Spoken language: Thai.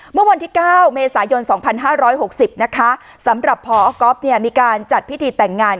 เมื่อวันที่เก้าเมษายนสองพันห้าร้อยหกสิบนะคะสำหรับพอก๊อบเนี่ยมีการจัดพิธีแต่งงาน